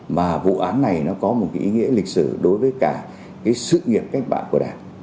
mà vụ án này nó có một ý nghĩa lịch sử đối với cả cái sự nghiệp cách mạng của đảng